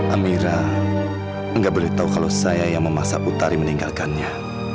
amira enggak boleh tahu kalau saya yang memaksa utari meninggalkannya